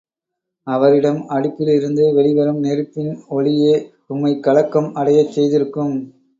அவரிடம், அடுப்பிலிருந்து வெளி வரும் நெருப்பின் ஒளியே உம்மைக் கலக்கம் அடையச் செய்திருக்கும்.